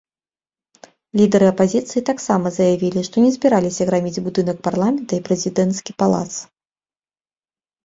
Лідары апазіцыі таксама заявілі, што не збіраліся граміць будынак парламента і прэзідэнцкі палац.